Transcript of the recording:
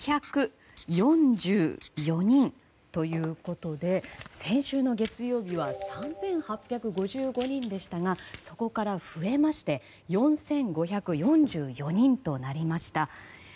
４５４４人ということで先週の月曜日は３８５５人でしたがそこから増えまして４５４４人となりました。